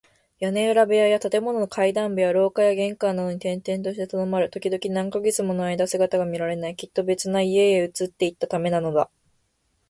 屋根裏部屋や建物の階段部や廊下や玄関などに転々としてとどまる。ときどき、何カ月ものあいだ姿が見られない。きっと別な家々へ移っていったためなのだ。